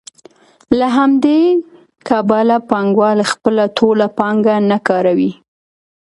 له همدې کبله پانګوال خپله ټوله پانګه نه کاروي